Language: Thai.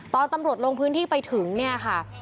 ตอนตำรวจลงพื้นที่ไปถึงเนี่ยค่ะ